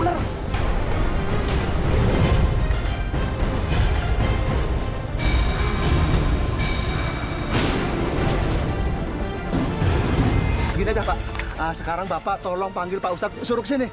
begini aja pak sekarang bapak tolong panggil pak ustadz suruh kesini